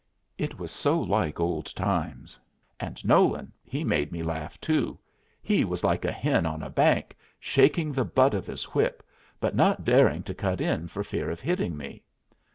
It was so like old times. And Nolan he made me laugh, too. He was like a hen on a bank, shaking the butt of his whip, but not daring to cut in for fear of hitting me.